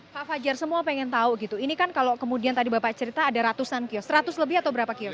pak fajar semua pengen tahu gitu ini kan kalau kemudian tadi bapak cerita ada ratusan kios seratus lebih atau berapa kios